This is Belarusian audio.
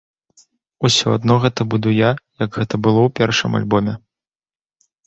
Усё адно гэта буду я, як гэта было ў першым альбоме.